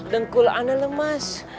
dengkul anak lemas